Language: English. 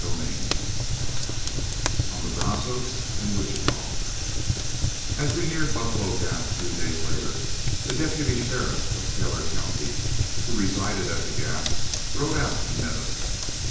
CHAPTER VIII ON THE BRAZOS AND WICHITA As we neared Buffalo Gap a few days later, a deputy sheriff of Taylor County, who resided at the Gap, rode out and met us.